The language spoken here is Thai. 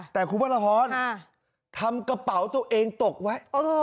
แต่คุณพระราพรทำกระเป๋าตัวเองตกไว้